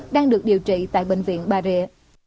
đang được điều trị tại bệnh viện bà rịa